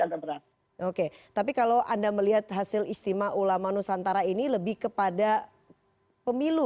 agak berat oke tapi kalau anda melihat hasil istimewa ulama nusantara ini lebih kepada pemilu